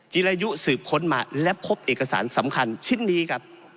จิรายุสืบค้นมาและพบเอกสารสำคัญชิ้นนี้ครับ